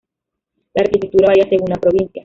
La arquitectura varía según la provincia.